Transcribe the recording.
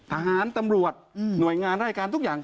ทหารตำรวจหน่วยงานราชการทุกอย่าง